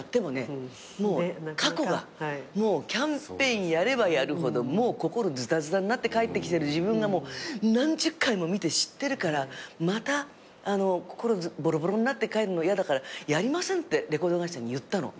もうキャンペーンやればやるほど心ズタズタになって帰ってきてる自分が何十回も見て知ってるからまた心ボロボロになって帰るの嫌だからやりませんってレコード会社に言ったの。